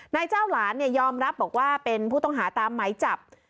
นายเจ้าหลานยอมรับบอกว่าเป็นผู้ต้องหาตามไหมจับ